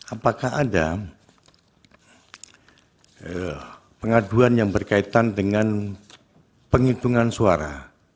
apakah ada pengaduan yang berkaitan dengan penghitungan suara